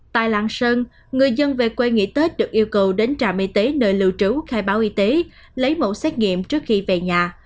tại lạng sơn người dân về quê nghỉ tết được yêu cầu đến trạm y tế nơi lưu trú khai báo y tế lấy mẫu xét nghiệm trước khi về nhà